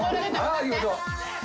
さあ行きましょう。